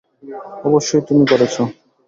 অবশ্যই, তুমি করেছো।